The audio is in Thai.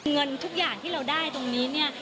เงินทุกอย่างที่เราได้ตรงนี้เนี่ย